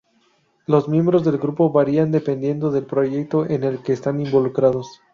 Los miembros del grupo varían dependiendo del proyecto en el que están involucrados.